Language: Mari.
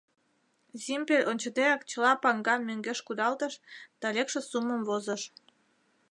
Зимпель ончыдеак чыла паҥгам мӧҥгеш кудалтыш да лекше суммым возыш.